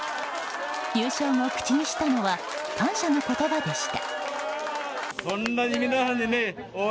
優勝後、口にしたのは感謝の言葉でした。